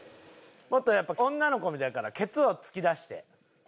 もっとやっぱ女の子だからケツを突き出して。